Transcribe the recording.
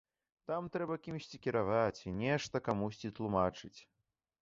Там трэба кімсьці кіраваць, нешта камусьці тлумачыць.